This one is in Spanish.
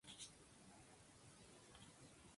Universo de Brasilia logró su primer título.